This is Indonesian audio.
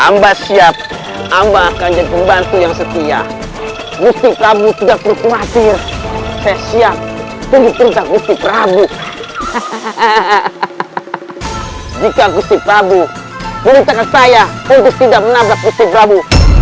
minta kasih untuk saya untuk tidak menabrak gusti brabu